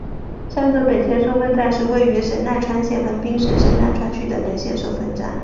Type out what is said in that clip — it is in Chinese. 三泽本线收费站是位于神奈川县横滨市神奈川区的本线收费站。